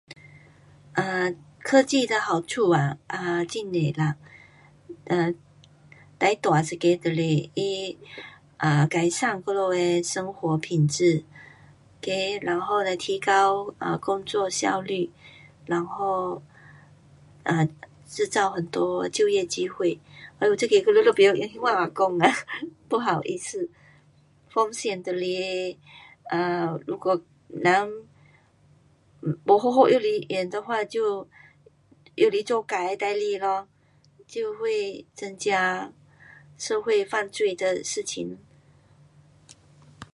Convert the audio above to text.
啊，很多啦，呃，最大一个是它 [哎哟这个我完了不会用兴华话讲啊 人没好好用来用的话，就用来做坏的事情咯